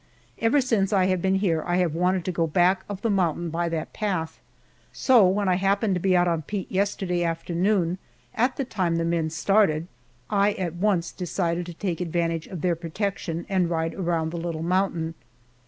Ever since I have been here I have wanted to go back of the mountain by that path. So, when I happened to be out on Pete yesterday afternoon at the time the men started, I at once decided to take advantage of their protection and ride around the little mountain.